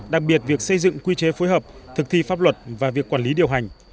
đặc biệt việc xây dựng quy chế phối hợp thực thi pháp luật và việc quản lý điều hành